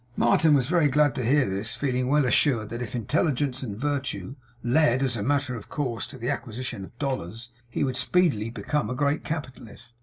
Martin was very glad to hear this, feeling well assured that if intelligence and virtue led, as a matter of course, to the acquisition of dollars, he would speedily become a great capitalist.